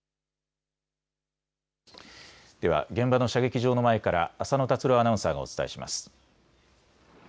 では現場の射撃場の前から浅野達朗アナウンサーがお伝えします。